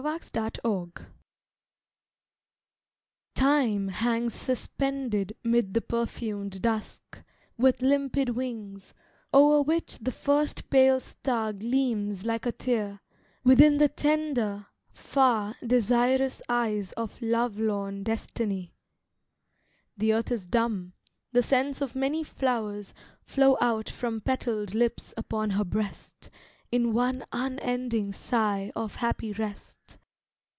A NIGHT IN ITALY Time hangs suspended 'mid the perfumed dusk, With limpid wings, o'er which the first pale star Gleams like a tear, within the tender, far Desirous eyes of love lorn Destiny. The earth is dumb, the scents of many flowers Flow out from petalled lips upon her breast, In one unending sigh of happy rest.